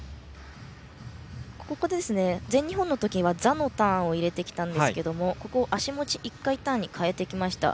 全日本の時は座のターンを入れてきたんですが足持ち１回ターンに変えてきました。